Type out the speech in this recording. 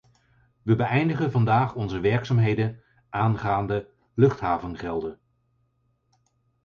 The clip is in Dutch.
We beëindigen vandaag onze werkzaamheden aangaande luchthavengelden.